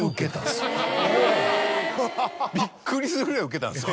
びっくりするぐらいウケたんですよ。